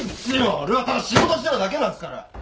俺はただ仕事してただけなんすから！